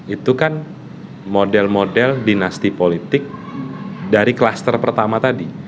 itu kan model model dinasti politik dari klaster pertama tadi